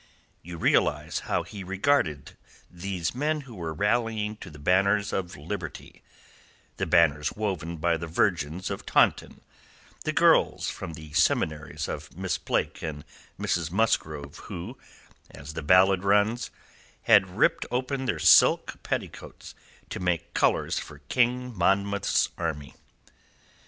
You realize how he regarded these men who were rallying to the banners of liberty the banners woven by the virgins of Taunton, the girls from the seminaries of Miss Blake and Mrs. Musgrove, who as the ballad runs had ripped open their silk petticoats to make colours for King Monmouth's army.